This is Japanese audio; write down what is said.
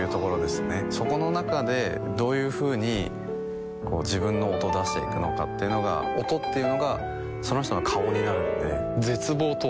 そこの中でどういうふうに自分の音を出していくのかっていうのが音っていうのがその人の顔になるので絶望とは？